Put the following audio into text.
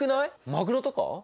マグロとか？